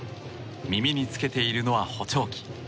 耳につけているのは補聴器。